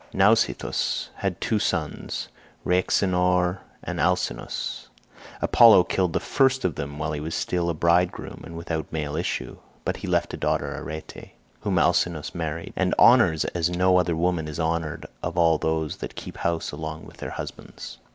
Nausithous had two sons Rhexenor and Alcinous;58 Apollo killed the first of them while he was still a bridegroom and without male issue; but he left a daughter Arete, whom Alcinous married, and honours as no other woman is honoured of all those that keep house along with their husbands.